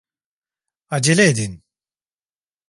Acele edin!